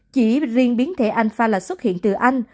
chỉ riêng biến thể alpha là xuất hiện từ anh